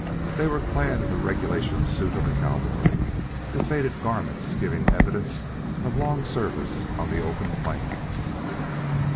They were clad in the regulation suits of the cowboy, the faded garments giving evidence of long service on the open plains.